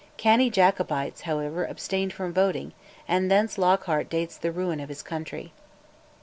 Canny Jacobites, however, abstained from voting, and thence Lockhart dates the ruin of his country.